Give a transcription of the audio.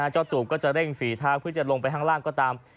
จูบก็จะเร่งฝีเท้าเพื่อจะลงไปข้างล่างก็ตาม